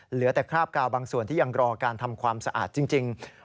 เหลือแต่คราบกาวบางส่วนที่ยังรอการทำความสะอาดจริง